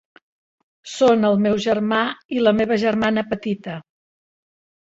Són el meu germà i la meva germana petita.